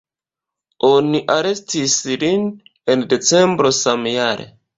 Oni arestis lin en decembro samjare.